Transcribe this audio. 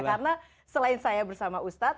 karena selain saya bersama ustad